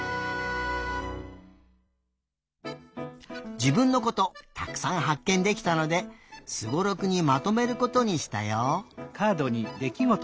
自分のことたくさんはっけんできたのでスゴロクにまとめることにしたよ。